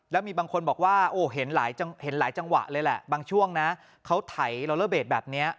แล้วมีบางคนบอกว่าโอ้เห็นหลายจังหวะเลยแหละบางช่วงนะเขาไถลอเลอร์เบสแบบนี้